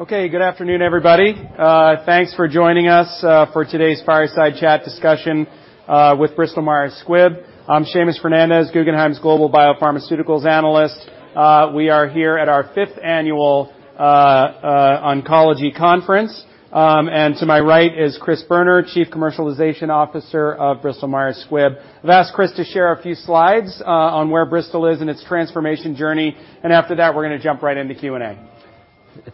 Okay, good afternoon, everybody. Thanks for joining us for today's fireside chat discussion with Bristol Myers Squibb. I'm Seamus Fernandez, Guggenheim's Global Biopharmaceuticals Analyst. We are here at our 5th Annual Oncology Conference. To my right is Chris Boerner, Chief Commercialization Officer of Bristol Myers Squibb. I've asked Chris to share a few slides on where Bristol is in its transformation journey. After that, we're gonna jump right into Q&A.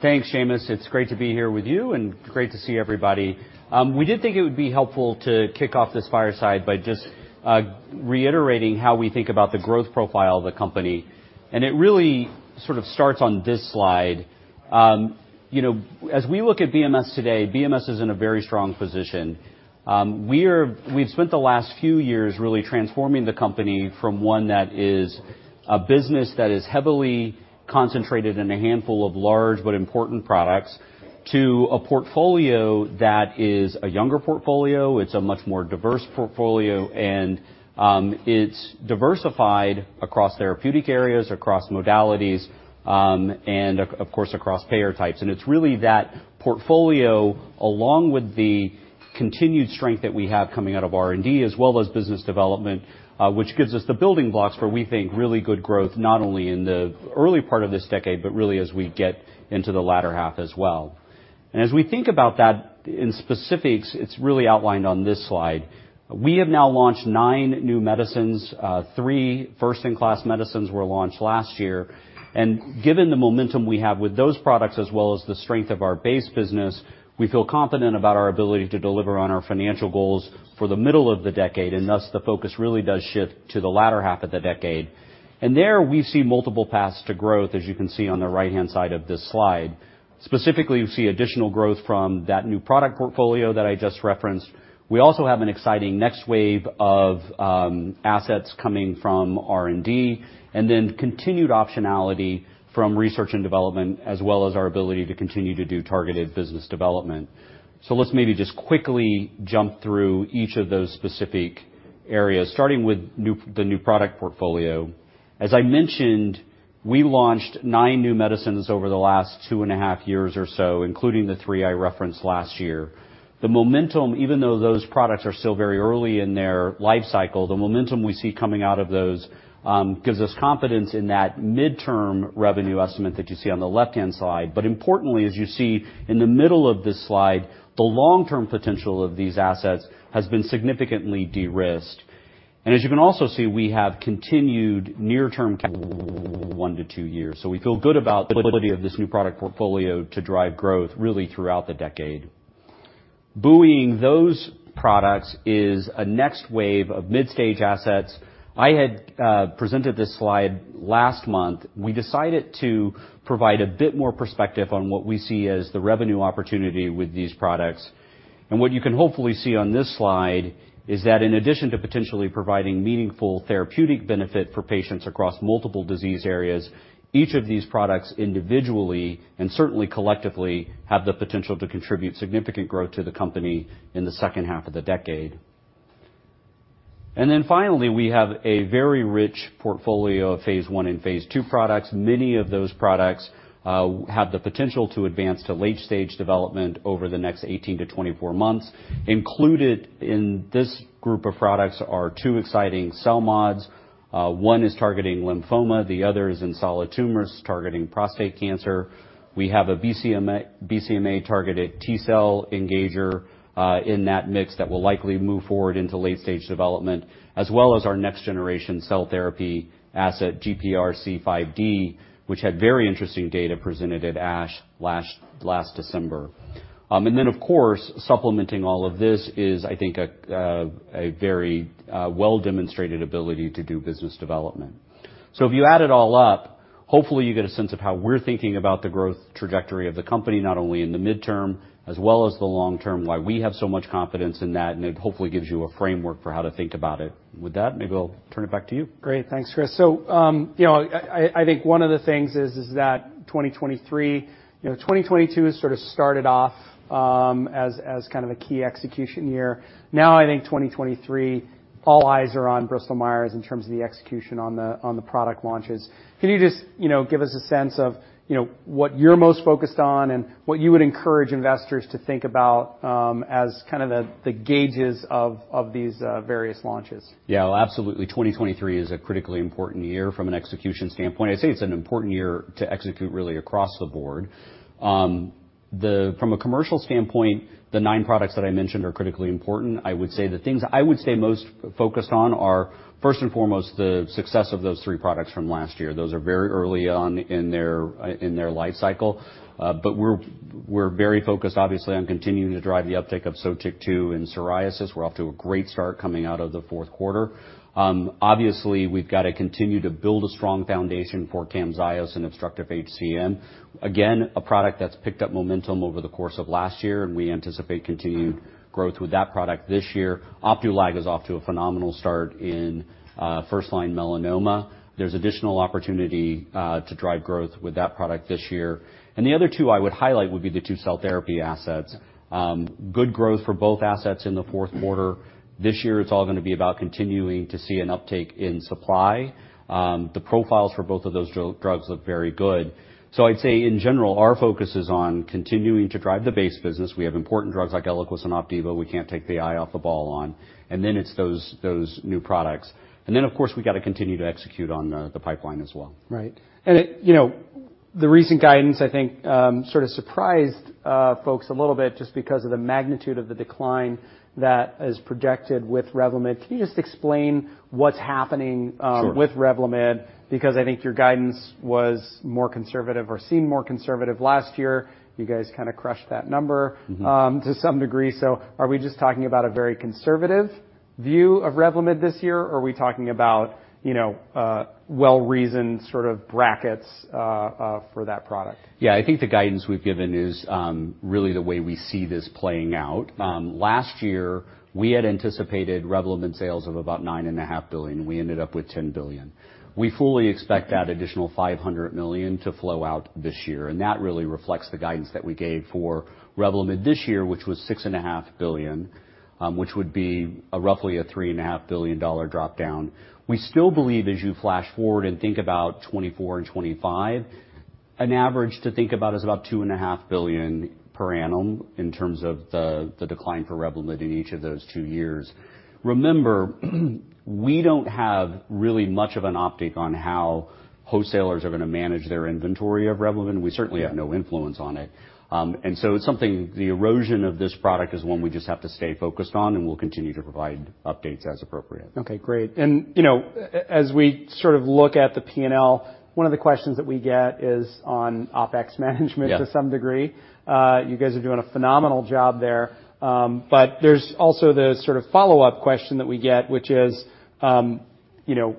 Thanks, Seamus. It's great to be here with you and great to see everybody. We did think it would be helpful to kick off this fireside by just reiterating how we think about the growth profile of the company. It really sort of starts on this slide. You know, as we look at BMS today, BMS is in a very strong position. We've spent the last few years really transforming the company from one that is a business that is heavily concentrated in a handful of large but important products to a portfolio that is a younger portfolio. It's a much more diverse portfolio, and it's diversified across therapeutic areas, across modalities, and of course, across payer types. It's really that portfolio, along with the continued strength that we have coming out of R&D as well as business development, which gives us the building blocks for we think really good growth, not only in the early part of this decade, but really as we get into the latter half as well. As we think about that in specifics, it's really outlined on this slide. We have now launched nine new medicines. Three first-in-class medicines were launched last year. Given the momentum we have with those products as well as the strength of our base business, we feel confident about our ability to deliver on our financial goals for the middle of the decade, and thus the focus really does shift to the latter half of the decade. There, we see multiple paths to growth, as you can see on the right-hand side of this slide. Specifically, we see additional growth from that new product portfolio that I just referenced. We also have an exciting next wave of assets coming from R&D, and then continued optionality from research and development as well as our ability to continue to do targeted business development. Let's maybe just quickly jump through each of those specific areas, starting with the new product portfolio. As I mentioned, we launched nine new medicines over the last two and a half years or so, including the three I referenced last year. The momentum, even though those products are still very early in their life cycle, the momentum we see coming out of those, gives us confidence in that midterm revenue estimate that you see on the left-hand side. Importantly, as you see in the middle of this slide, the long-term potential of these assets has been significantly de-risked. As you can also see, we have continued near-term 1-2 years. We feel good about the ability of this new product portfolio to drive growth really throughout the decade. Buoying those products is a next wave of mid-stage assets. I had presented this slide last month. We decided to provide a bit more perspective on what we see as the revenue opportunity with these products. What you can hopefully see on this slide is that in addition to potentially providing meaningful therapeutic benefit for patients across multiple disease areas, each of these products individually and certainly collectively, have the potential to contribute significant growth to the company in the second half of the decade. Finally, we have a very rich portfolio of phase I and phase II products. Many of those products have the potential to advance to late-stage development over the next 18-24 months. Included in this group of products are two exciting CELMoDs. One is targeting lymphoma, the other is in solid tumors targeting prostate cancer. We have a BCMA-targeted T-cell engager in that mix that will likely move forward into late-stage development, as well as our next generation cell therapy asset, GPRC5D, which had very interesting data presented at ASH last December. Of course, supplementing all of this is, I think, a very well-demonstrated ability to do business development. If you add it all up, hopefully you get a sense of how we're thinking about the growth trajectory of the company, not only in the midterm as well as the long term, why we have so much confidence in that, and it hopefully gives you a framework for how to think about it. With that, maybe I'll turn it back to you. Great. Thanks, Chris. You know, I think one of the things is that 2023, you know, 2022 has sort of started off, as kind of a key execution year. I think 2023, all eyes are on Bristol Myers in terms of the execution on the product launches. Can you just, you know, give us a sense of, you know, what you're most focused on and what you would encourage investors to think about, as kind of the gauges of these various launches? Yeah. Absolutely. 2023 is a critically important year from an execution standpoint. I'd say it's an important year to execute really across the board. From a commercial standpoint, the 9 products that I mentioned are critically important. I would say the things I would say most focused on are, first and foremost, the success of those three products from last year. Those are very early on in their in their life cycle. We're, we're very focused, obviously, on continuing to drive the uptick of SOTYKTU in psoriasis. We're off to a great start coming out of the fourth quarter. Obviously, we've got to continue to build a strong foundation for CAMZYOS and obstructive HCM. Again, a product that's picked up momentum over the course of last year, we anticipate continued growth with that product this year. Opdualag is off to a phenomenal start in first-line melanoma. There's additional opportunity to drive growth with that product this year. The other two I would highlight would be the two cell therapy assets. Good growth for both assets in the fourth quarter. This year, it's all gonna be about continuing to see an uptake in supply. The profiles for both of those drugs look very good. I'd say in general, our focus is on continuing to drive the base business. We have important drugs like Eliquis and OPDIVO we can't take the eye off the ball on. It's those new products. Of course, we gotta continue to execute on the pipeline as well. Right. You know, the recent guidance, I think, sort of surprised folks a little bit just because of the magnitude of the decline that is projected with REVLIMID. Can you just explain what's happening? Sure. With REVLIMID? I think your guidance was more conservative or seemed more conservative last year. You guys kinda crushed that number. Mm-hmm. To some degree. Are we just talking about a very conservative view of REVLIMID this year, or are we talking about, you know, a well-reasoned sort of brackets for that product? Yeah. I think the guidance we've given is really the way we see this playing out. Last year, we had anticipated REVLIMID sales of about $9.5 billion. We ended up with $10 billion. We fully expect that additional $500 million to flow out this year. That really reflects the guidance that we gave for REVLIMID this year, which was $6.5 billion, which would be roughly a $3.5 billion dollar drop-down. We still believe, as you flash forward and think about 2024 and 2025, an average to think about is about $2.5 billion per annum in terms of the decline for REVLIMID in each of those two years. Remember we don't have really much of an optic on how wholesalers are gonna manage their inventory of REVLIMID. We certainly have no influence on it. It's something the erosion of this product is one we just have to stay focused on, and we'll continue to provide updates as appropriate. Okay, great. You know, as we sort of look at the P&L, one of the questions that we get is on OpEx management. Yeah. To some degree. You guys are doing a phenomenal job there. There's also the sort of follow-up question that we get, which is, you know,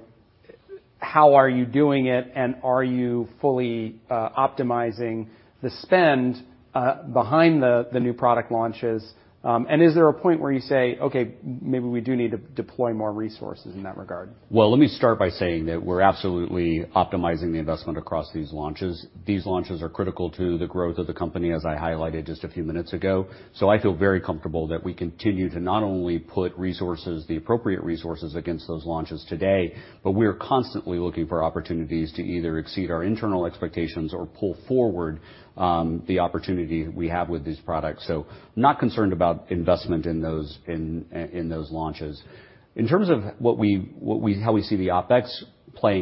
how are you doing it, and are you fully optimizing the spend behind the new product launches? Is there a point where you say, "Okay, maybe we do need to deploy more resources in that regard"? Well, let me start by saying that we're absolutely optimizing the investment across these launches. These launches are critical to the growth of the company, as I highlighted just a few minutes ago. I feel very comfortable that we continue to not only put resources, the appropriate resources against those launches today, but we're constantly looking for opportunities to either exceed our internal expectations or pull forward the opportunity we have with these products. Not concerned about investment in those, in those launches. In terms of what we see the OpEx playing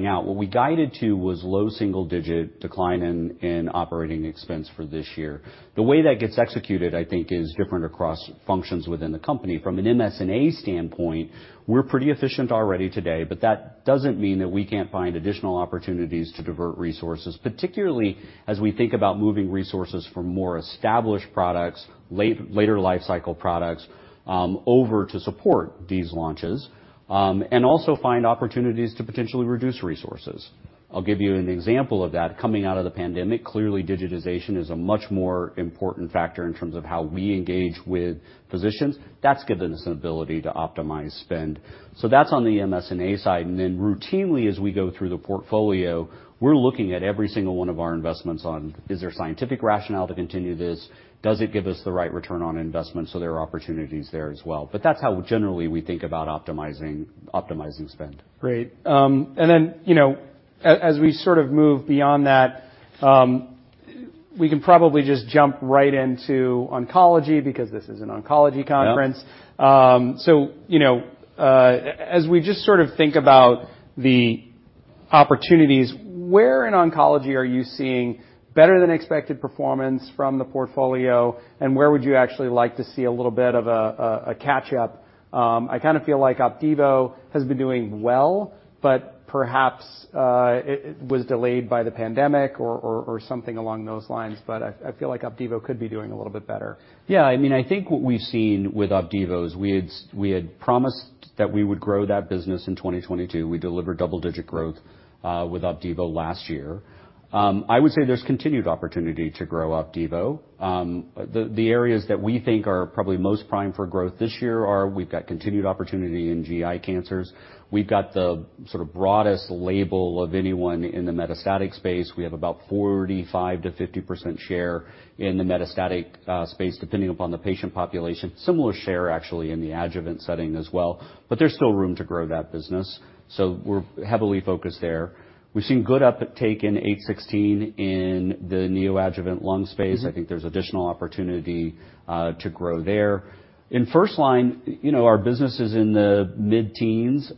out, what we guided to was low single-digit decline in operating expense for this year. The way that gets executed, I think, is different across functions within the company. From an MS&A standpoint, we're pretty efficient already today, but that doesn't mean that we can't find additional opportunities to divert resources, particularly as we think about moving resources from more established products, later lifecycle products, over to support these launches, and also find opportunities to potentially reduce resources. I'll give you an example of that. Coming out of the pandemic, clearly, digitization is a much more important factor in terms of how we engage with physicians. That's given us an ability to optimize spend. That's on the MS&A side. Routinely, as we go through the portfolio, we're looking at every single one of our investments on, is there scientific rationale to continue this? Does it give us the right return on investment so there are opportunities there as well? That's how generally we think about optimizing spend. Great. you know, as we sort of move beyond that, we can probably just jump right into oncology because this is an oncology conference. Yeah. You know, as we just sort of think about the opportunities, where in oncology are you seeing better than expected performance from the portfolio, and where would you actually like to see a little bit of a catch up? I kinda feel like OPDIVO has been doing well, but perhaps it was delayed by the pandemic or something along those lines. I feel like OPDIVO could be doing a little bit better. Yeah. I mean, I think what we've seen with OPDIVO is we had promised that we would grow that business in 2022. We delivered double-digit growth with OPDIVO last year. I would say there's continued opportunity to grow OPDIVO. The areas that we think are probably most prime for growth this year are, we've got continued opportunity in GI cancers. We've got the sort of broadest label of anyone in the metastatic space. We have about 45%-50% share in the metastatic space, depending upon the patient population. Similar share, actually, in the adjuvant setting as well, but there's still room to grow that business. We're heavily focused there. We've seen good uptake in 816 in the neoadjuvant lung space. Mm-hmm. I think there's additional opportunity to grow there. In first line, you know, our business is in the mid-teens,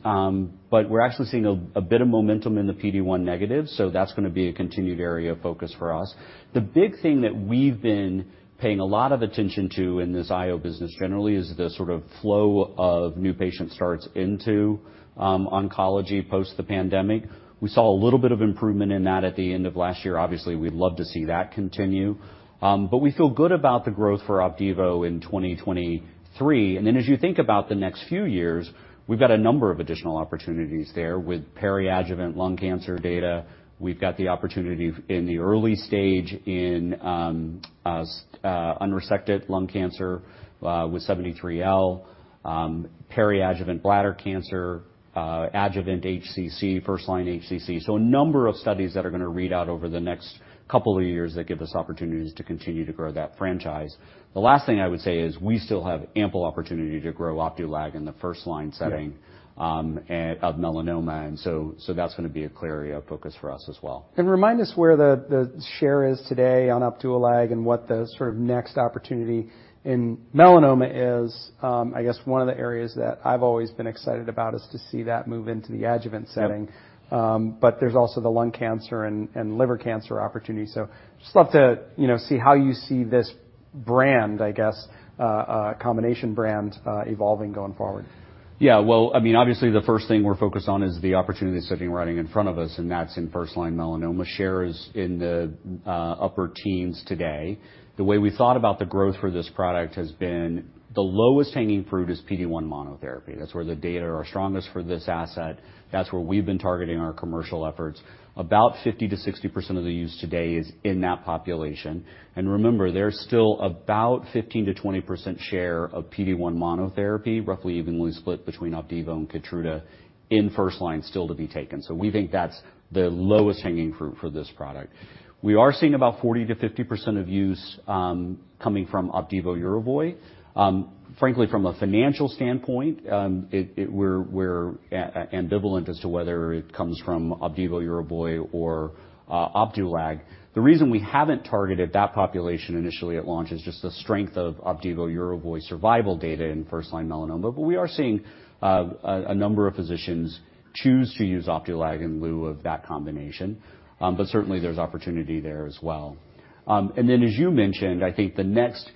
but we're actually seeing a bit of momentum in the PD-L1 negative, so that's gonna be a continued area of focus for us. The big thing that we've been paying a lot of attention to in this IO business generally is the sort of flow of new patient starts into oncology post the pandemic. We saw a little bit of improvement in that at the end of last year. Obviously, we'd love to see that continue. But we feel good about the growth for OPDIVO in 2023. Then as you think about the next few years, we've got a number of additional opportunities there with peri-adjuvant lung cancer data. We've got the opportunity in the early stage in unresected lung cancer with 73L, peri-adjuvant bladder cancer, adjuvant HCC, first-line HCC. A number of studies that are gonna read out over the next couple of years that give us opportunities to continue to grow that franchise. The last thing I would say is we still have ample opportunity to grow Opdualag in the first-line setting. Yeah. Of melanoma. That's gonna be a clear area of focus for us as well. Remind us where the share is today on Opdualag and what the sort of next opportunity in melanoma is. I guess one of the areas that I've always been excited about is to see that move into the adjuvant setting. Yeah. There's also the lung cancer and liver cancer opportunity. Just love to, you know, see how you see this brand, I guess, a combination brand, evolving going forward? Well, I mean, obviously, the first thing we're focused on is the opportunity sitting right in front of us, that's in first-line melanoma shares in the upper teens today. The way we thought about the growth for this product has been the lowest hanging fruit is PD-1 monotherapy. That's where the data are strongest for this asset. That's where we've been targeting our commercial efforts. About 50%-60% of the use today is in that population. Remember, there's still about 15%-20% share of PD-1 monotherapy, roughly evenly split between OPDIVO and KEYTRUDA, in first line still to be taken. We think that's the lowest hanging fruit for this product. We are seeing about 40%-50% of use coming from OPDIVO + YERVOY. Frankly, from a financial standpoint, we're ambivalent as to whether it comes from OPDIVO + YERVOY or Opdualag. The reason we haven't targeted that population initially at launch is just the strength of OPDIVO + YERVOY survival data in first-line melanoma. We are seeing a number of physicians choose to use Opdualag in lieu of that combination. Certainly, there's opportunity there as well. As you mentioned, I think the next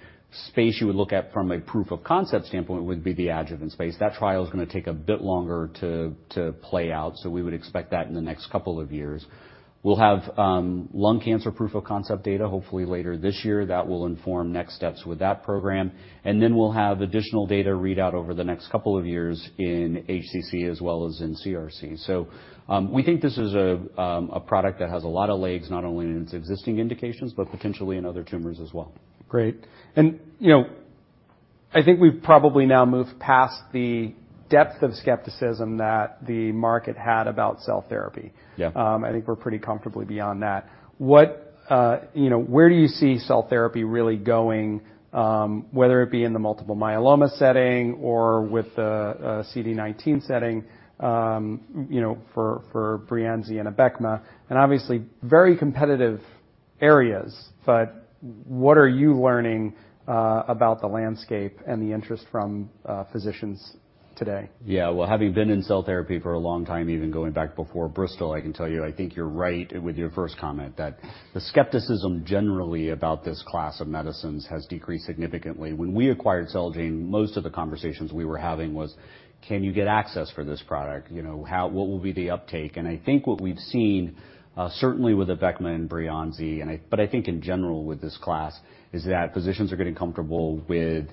space you would look at from a proof of concept standpoint would be the adjuvant space. That trial is gonna take a bit longer to play out, so we would expect that in the next couple of years. We'll have lung cancer proof of concept data, hopefully later this year that will inform next steps with that program. We'll have additional data readout over the next couple of years in HCC as well as in CRC. We think this is a product that has a lot of legs, not only in its existing indications, but potentially in other tumors as well. Great. You know, I think we've probably now moved past the depth of skepticism that the market had about cell therapy. Yeah. I think we're pretty comfortably beyond that. What, you know, where do you see cell therapy really going, whether it be in the multiple myeloma setting or with the CD19 setting, you know, for Breyanzi and ABECMA, and obviously very competitive areas, but what are you learning about the landscape and the interest from physicians today? Yeah. Well, having been in cell therapy for a long time, even going back before Bristol, I can tell you, I think you're right with your first comment that the skepticism generally about this class of medicines has decreased significantly. When we acquired Celgene, most of the conversations we were having was, can you get access for this product? You know, what will be the uptake? I think what we've seen, certainly with ABECMA and Breyanzi, but I think in general with this class, is that physicians are getting comfortable with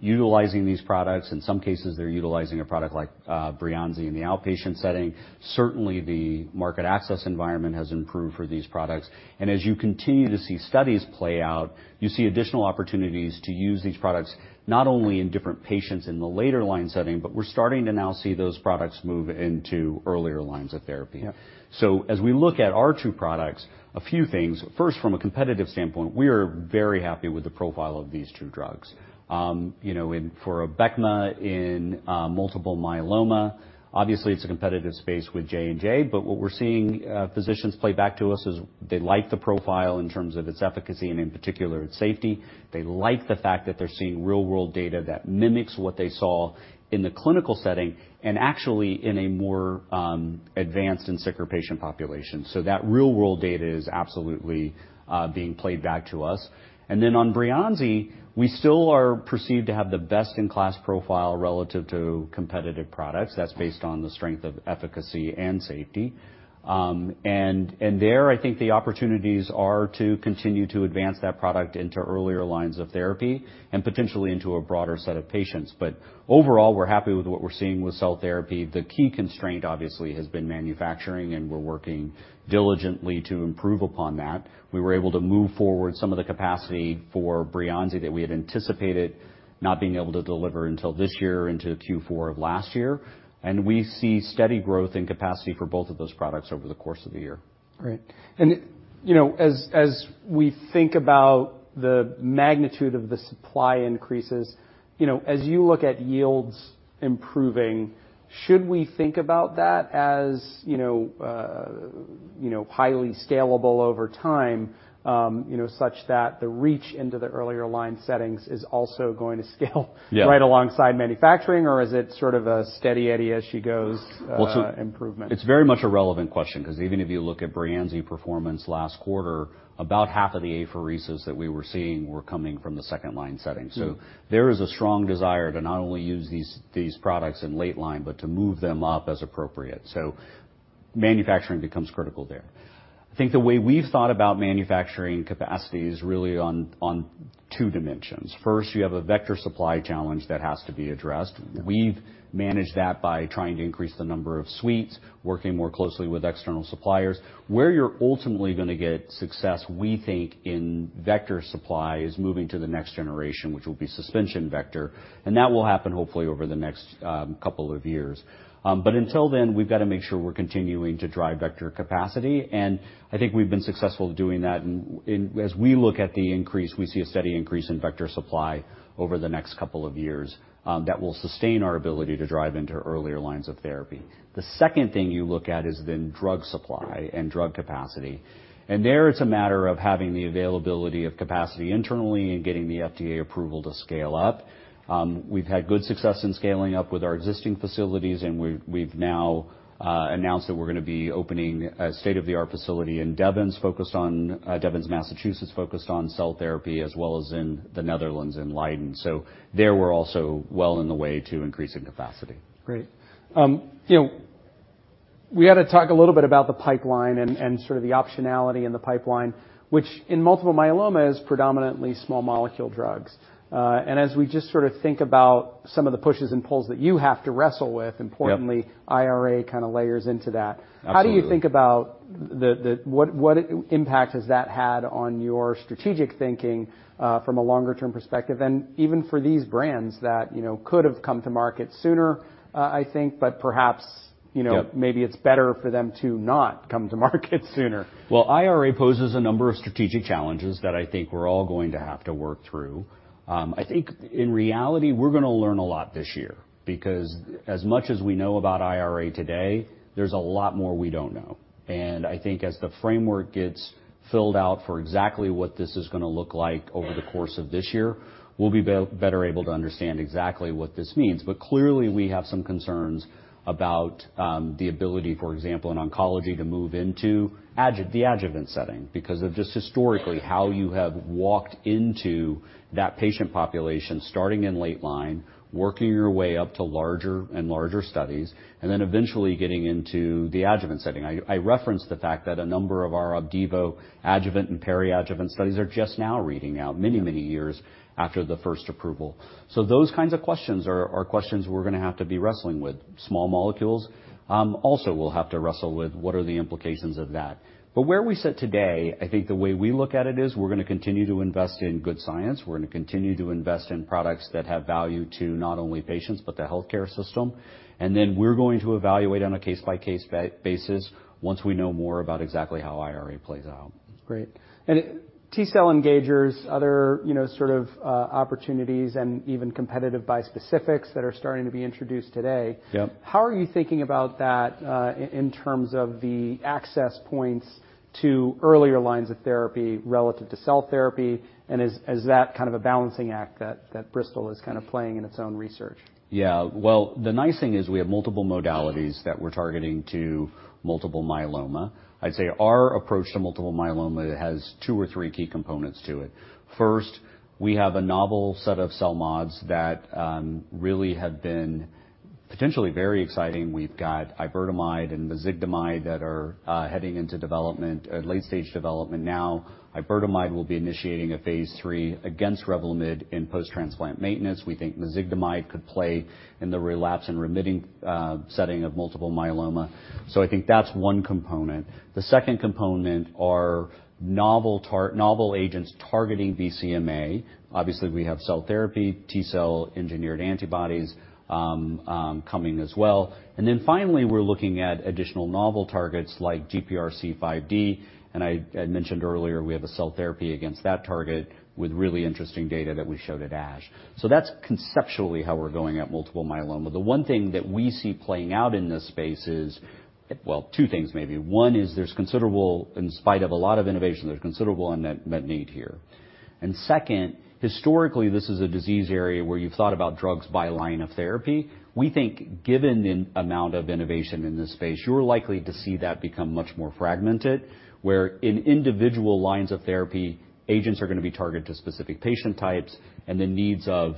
utilizing these products. In some cases, they're utilizing a product like Breyanzi in the outpatient setting. Certainly, the market access environment has improved for these products. As you continue to see studies play out, you see additional opportunities to use these products not only in different patients in the later line setting, but we're starting to now see those products move into earlier lines of therapy. Yeah. As we look at our two products, a few things. First, from a competitive standpoint, we are very happy with the profile of these two drugs. You know, and for ABECMA in multiple myeloma, obviously, it's a competitive space with J&J, but what we're seeing physicians play back to us is they like the profile in terms of its efficacy and in particular, its safety. They like the fact that they're seeing real-world data that mimics what they saw in the clinical setting and actually in a more advanced and sicker patient population. That real-world data is absolutely being played back to us. On Breyanzi, we still are perceived to have the best-in-class profile relative to competitive products. That's based on the strength of efficacy and safety. There, I think the opportunities are to continue to advance that product into earlier lines of therapy and potentially into a broader set of patients. Overall, we're happy with what we're seeing with cell therapy. The key constraint, obviously, has been manufacturing, and we're working diligently to improve upon that. We were able to move forward some of the capacity for Breyanzi that we had anticipated not being able to deliver until this year into Q4 of last year. We see steady growth in capacity for both of those products over the course of the year. Great. you know, as we think about the magnitude of the supply increases, you know, as you look at yields improving, should we think about that as, you know, you know, highly scalable over time, you know, such that the reach into the earlier line settings is also going to scale? Yeah. Right alongside manufacturing, or is it sort of a steady Eddie as she goes, improvement? It's very much a relevant question 'cause even if you look at Breyanzi performance last quarter, about half of the apheresis that we were seeing were coming from the second line setting. Mm-hmm. There is a strong desire to not only use these products in late line, but to move them up as appropriate. Manufacturing becomes critical there. I think the way we've thought about manufacturing capacity is really on two dimensions. First, you have a vector supply challenge that has to be addressed. Yeah. We've managed that by trying to increase the number of suites, working more closely with external suppliers. Where you're ultimately gonna get success, we think in vector supply, is moving to the next generation, which will be suspension vector, and that will happen hopefully over the next couple of years. Until then, we've got to make sure we're continuing to drive vector capacity, and I think we've been successful doing that. As we look at the increase, we see a steady increase in vector supply over the next couple of years that will sustain our ability to drive into earlier lines of therapy. The second thing you look at is then drug supply and drug capacity. There, it's a matter of having the availability of capacity internally and getting the FDA approval to scale up. We've had good success in scaling up with our existing facilities, and we've now announced that we're gonna be opening a state-of-the-art facility in Devens, focused on Devens, Massachusetts, focused on cell therapy as well as in the Netherlands, in Leiden. There, we're also well in the way to increasing capacity. Great. you know, We had to talk a little bit about the pipeline and sort of the optionality in the pipeline, which in multiple myeloma is predominantly small molecule drugs. As we just sort of think about some of the pushes and pulls that you have to wrestle with. Yep. Importantly, IRA kinda layers into that. Absolutely. How do you think about the what impact has that had on your strategic thinking from a longer term perspective and even for these brands that, you know, could have come to market sooner, I think, but perhaps, you know? Yep. Maybe it's better for them to not come to market sooner. Well, IRA poses a number of strategic challenges that I think we're all going to have to work through. I think in reality, we're gonna learn a lot this year because as much as we know about IRA today, there's a lot more we don't know. I think as the framework gets filled out for exactly what this is gonna look like over the course of this year, we'll be better able to understand exactly what this means. Clearly, we have some concerns about the ability, for example, in oncology to move into the adjuvant setting because of just historically how you have walked into that patient population starting in late line, working your way up to larger and larger studies, and then eventually getting into the adjuvant setting. I referenced the fact that a number of our OPDIVO adjuvant and peri-adjuvant studies are just now reading out many, many years after the first approval. Those kinds of questions are questions we're gonna have to be wrestling with. Small molecules, also we'll have to wrestle with what are the implications of that. Where we sit today, I think the way we look at it is we're gonna continue to invest in good science. We're gonna continue to invest in products that have value to not only patients, but the healthcare system. We're going to evaluate on a case-by-case basis once we know more about exactly how IRA plays out. Great. T-cell engagers, other, you know, sort of, opportunities and even competitive bispecifics that are starting to be introduced today. Yep. How are you thinking about that, in terms of the access points to earlier lines of therapy relative to cell therapy and is that kind of a balancing act that Bristol is kind of playing in its own research? Yeah. Well, the nice thing is we have multiple modalities that we're targeting to multiple myeloma. I'd say our approach to multiple myeloma has two or three key components to it. First, we have a novel set of CELMoDs that really have been potentially very exciting. We've got iberdomide and mezigdomide that are heading into late stage development now. Iberdomide will be initiating a phase III against REVLIMID in post-transplant maintenance. We think mezigdomide could play in the relapse and remitting setting of multiple myeloma. I think that's one component. The second component are novel agents targeting BCMA. Obviously, we have cell therapy, T-cell engineered antibodies coming as well. Finally, we're looking at additional novel targets like GPRC5D, and I mentioned earlier we have a cell therapy against that target with really interesting data that we showed at ASH. That's conceptually how we're going at multiple myeloma. The one thing that we see playing out in this space is. Well, two things maybe. One is there's considerable in spite of a lot of innovation, there's considerable unmet need here. Second, historically, this is a disease area where you've thought about drugs by line of therapy. We think given the amount of innovation in this space, you're likely to see that become much more fragmented, where in individual lines of therapy, agents are gonna be targeted to specific patient types and the needs of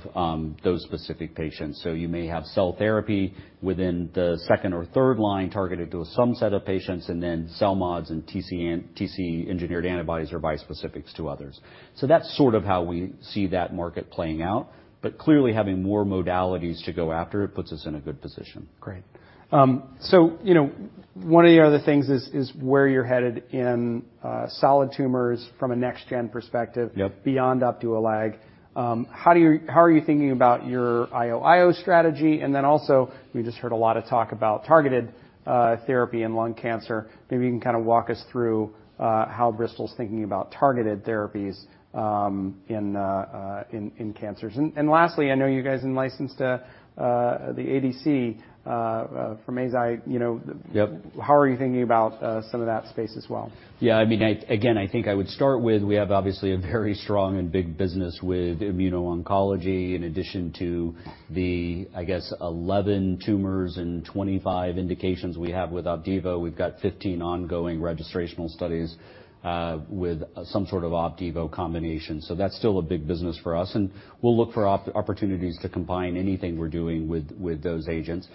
those specific patients. You may have cell therapy within the second or third line targeted to some set of patients, and then CELMoDs and TCE-engineered antibodies or bispecifics to others. That's sort of how we see that market playing out, but clearly having more modalities to go after it puts us in a good position. Great. you know, one of the other things is where you're headed in, solid tumors from a next gen perspective. Yep. Beyond Opdualag. How are you thinking about your IO strategy? Also, we just heard a lot of talk about targeted therapy in lung cancer. Maybe you can kinda walk us through how Bristol's thinking about targeted therapies in cancers. Lastly, I know you guys in licensed the ADC from Eisai, you know. Yep. How are you thinking about some of that space as well? I mean, I again, I think I would start with we have obviously a very strong and big business with immuno-oncology in addition to the, I guess, 11 tumors and 25 indications we have with OPDIVO. We've got 15 ongoing registrational studies with some sort of OPDIVO combination. That's still a big business for us, and we'll look for opportunities to combine anything we're doing with those agents.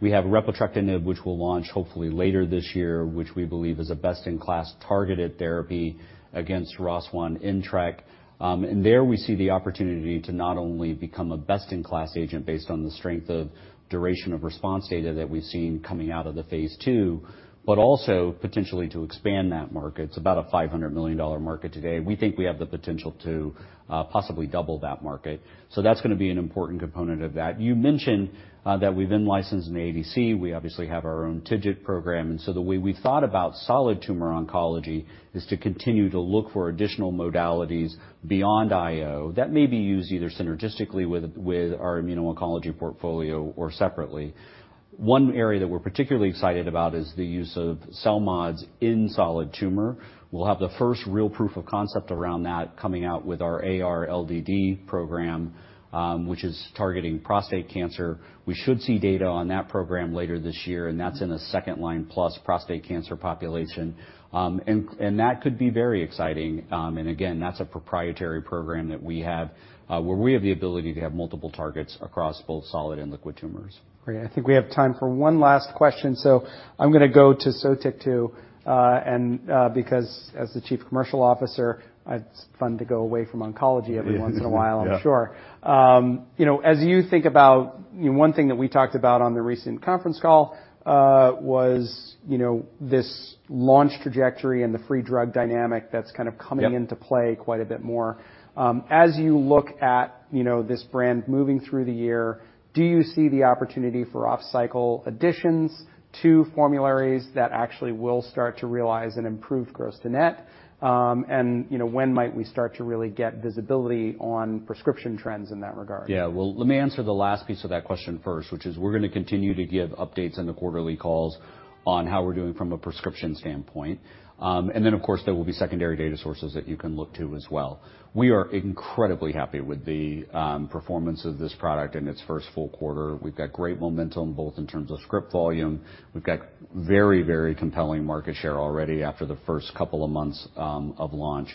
We have repotrectinib, which we'll launch hopefully later this year, which we believe is a best-in-class targeted therapy against ROS1/NTRK. And there we see the opportunity to not only become a best-in-class agent based on the strength of duration of response data that we've seen coming out of the phase II, but also potentially to expand that market. It's about a $500 million market today. We think we have the potential to possibly double that market. That's gonna be an important component of that. You mentioned that we've in-licensed an ADC. We obviously have our own TIGIT program, the way we thought about solid tumor oncology is to continue to look for additional modalities beyond IO that may be used either synergistically with our immuno-oncology portfolio or separately. One area that we're particularly excited about is the use of CELMoDs in solid tumor. We'll have the first real proof of concept around that coming out with our AR LDD program, which is targeting prostate cancer. We should see data on that program later this year, that's in a second line, plus prostate cancer population. That could be very exciting. Again, that's a proprietary program that we have, where we have the ability to have multiple targets across both solid and liquid tumors. Great. I think we have time for one last question, so I'm gonna go to SOTYKTU, and because as the Chief Commercial Officer, it's fun to go away from oncology every once in a while. Yeah. I'm sure. You know, as you think about, you know, one thing that we talked about on the recent conference call, was, you know, this launch trajectory and the free drug dynamic that's kind of coming. Yep. Into play quite a bit more. As you look at, you know, this brand moving through the year, do you see the opportunity for off-cycle additions to formularies that actually will start to realize and improve gross-to-net? You know, when might we start to really get visibility on prescription trends in that regard? Yeah. Well, let me answer the last piece of that question first, which is we're gonna continue to give updates in the quarterly calls on how we're doing from a prescription standpoint. Then, of course, there will be secondary data sources that you can look to as well. We are incredibly happy with the performance of this product in its first full quarter. We've got great momentum, both in terms of script volume. We've got very compelling market share already after the first couple of months of launch.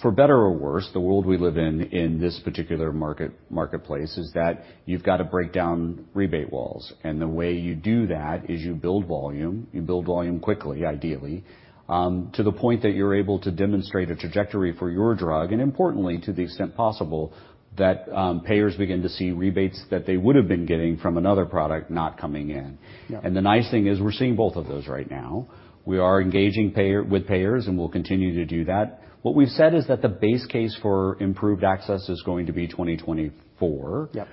For better or worse, the world we live in in this particular market, marketplace is that you've got to break down rebate walls. The way you do that is you build volume, you build volume quickly, ideally, to the point that you're able to demonstrate a trajectory for your drug, and importantly, to the extent possible, that payers begin to see rebates that they would've been getting from another product not coming in. Yeah. The nice thing is we're seeing both of those right now. We are engaging with payers, and we'll continue to do that. What we've said is that the base case for improved access is going to be 2024. Yep.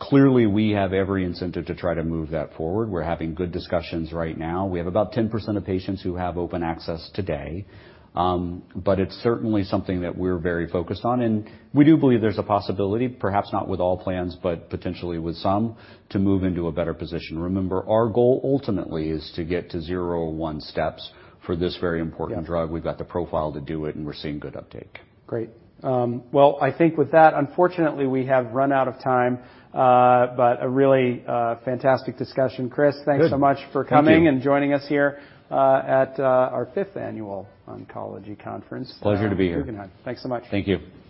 Clearly, we have every incentive to try to move that forward. We're having good discussions right now. We have about 10% of patients who have open access today. It's certainly something that we're very focused on. We do believe there's a possibility, perhaps not with all plans, but potentially with some, to move into a better position. Remember, our goal ultimately is to get to zero one steps for this very important drug. Yeah. We've got the profile to do it, and we're seeing good uptake. Great. Well, I think with that, unfortunately, we have run out of time, but a really fantastic discussion. Good. Thank you. Thanks so much for coming and joining us here, at, our 5th Annual Oncology Conference. Pleasure to be here. Thanks so much. Thank you.